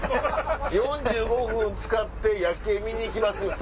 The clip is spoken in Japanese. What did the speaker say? ４５分使って夜景見に行きます？